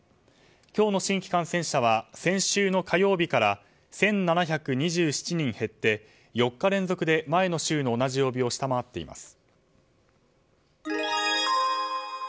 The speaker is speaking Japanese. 今日の新規感染者は先週の火曜日から１７２７人減って、４日連続で前の週の同じ曜日を下回っています。